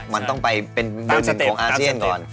มันต้องไปเป็นบนของอาเซียนก่อน